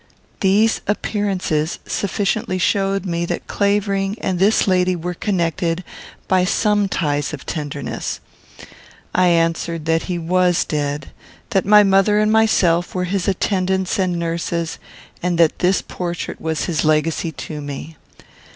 These appearances sufficiently showed me that Clavering and this lady were connected by some ties of tenderness. I answered that he was dead; that my mother and myself were his attendants and nurses, and that this portrait was his legacy to me.